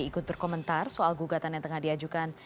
ikut berkomentar soal gugatan yang tengah diajukan